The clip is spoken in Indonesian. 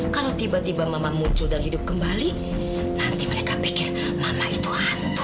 kalau tiba tiba mama muncul dan hidup kembali nanti mereka pikir mama itu hantu